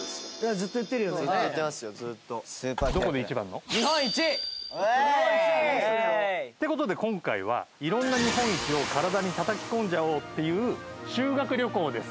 ずっと言ってますよずっと。って事で今回は色んな日本一を体にたたき込んじゃおうっていう修学旅行です。